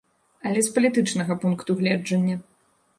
Але з палітычнага пункту гледжання.